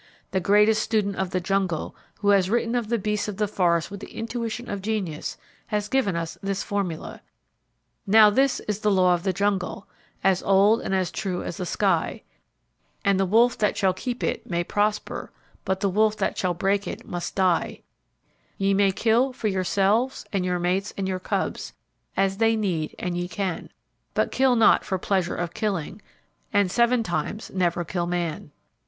The greatest student of the jungle, who has written of the beasts of the forest with the intuition of genius, has given us this formula: "Now this is the Law of the Jungle as old and as true as the sky, And the wolf that shall keep it may prosper, but the wolf that shall break it must die: "Ye may kill for yourselves and your mates and your cubs, as they need and ye can, But kill not for pleasure of killing, and seven times never kill man."